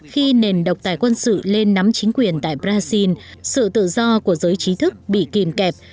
khi nền độc tài quân sự lên nắm chính quyền tại brazil sự tự do của giới trí thức bị kìm kẹp